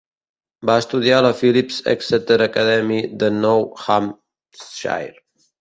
Va estudiar a la Phillips Exeter Academy de Nou Hampshire.